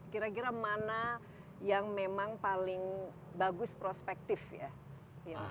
kira kira mana yang memang paling bagus prospektif ya